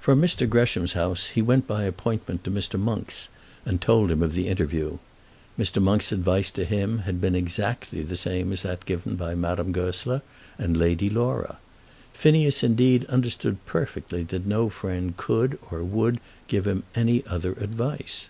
From Mr. Gresham's house he went by appointment to Mr. Monk's, and told him of the interview. Mr. Monk's advice to him had been exactly the same as that given by Madame Goesler and Lady Laura. Phineas, indeed, understood perfectly that no friend could or would give him any other advice.